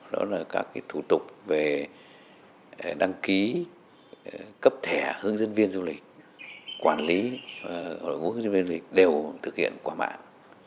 các cái thủ tục về đăng ký cấp thẻ hướng dẫn viên du lịch quản lý hướng dẫn viên du lịch đều thực hiện qua mạng